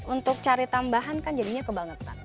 untuk cari tambahan kan jadinya kebangetan